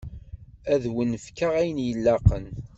Ad wen-fkeɣ ayen ilaqen.